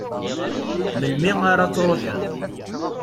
Melmi ara truḥem?